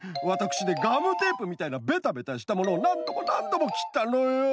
わたくしでガムテープみたいなベタベタしたものをなんどもなんどもきったのよ！